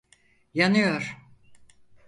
Yanıyor!